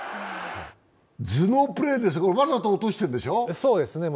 頭脳プレーですけど、わざと落としてるんでしょ。